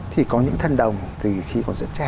thì có những thần đồng từ khi còn rất trẻ